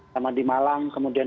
sama di malang kemudian